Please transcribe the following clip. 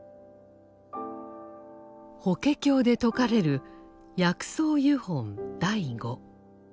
「法華経」で説かれる「薬草喩品第五」。